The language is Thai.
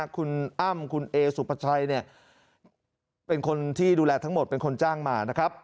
คุณอ้ำคุณเอสุภาชัยเป็นคนที่ดูแลทั้งหมดเป็นคนจ้างมานะครับ